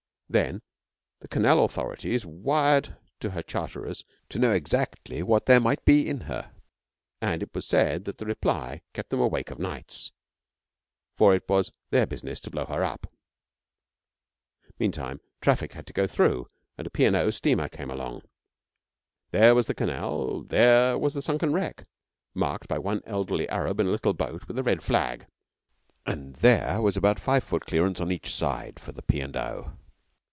Then the Canal authorities wired to her charterers to know exactly what there might be in her; and it is said that the reply kept them awake of nights, for it was their business to blow her up. Meantime, traffic had to go through, and a P. & O. steamer came along. There was the Canal; there was the sunken wreck, marked by one elderly Arab in a little boat with a red flag, and there was about five foot clearance on each side for the P. & O.